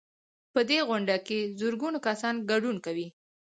په دې غونډه کې زرګونه کسان ګډون کوي.